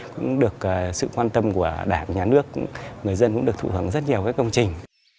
cũng được sự quan tâm của đảng nhà nước người dân cũng được thụ hứng rất nhiều các công trình